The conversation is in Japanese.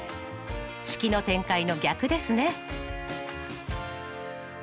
式の展開の逆ですね。